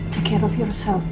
tolong jaga diri kamu